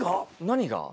「何が？」。